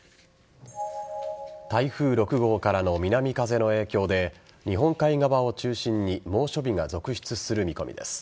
台風６号からの南風の影響で日本海側を中心に猛暑日が続出する見込みです。